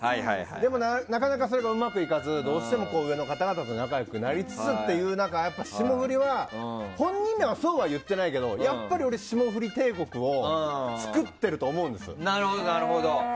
でもなかなかそれがうまくいかずどうしても上の方々と仲良くなりつつという中霜降りは本人らは、そうは言ってないけどやっぱり俺は霜降り帝国を作ってると思うんですよ。